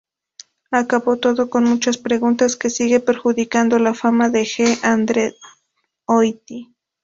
Acabó todo con muchas preguntas que siguen perjudicando la fama de G. Andreotti.